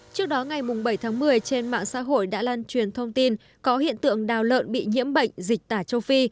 trước đó ngày bảy tháng một mươi trên mạng xã hội đã lan truyền thông tin có hiện tượng đào lợn bị nhiễm bệnh dịch tả châu phi